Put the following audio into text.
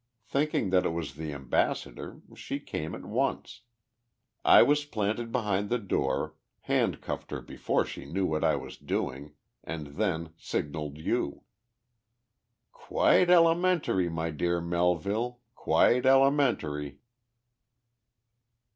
Thinking that it was the ambassador, she came at once. I was planted behind the door, handcuffed her before she knew what I was doing, and then signaled you! "Quite elementary, my dear Melville, quite elementary!"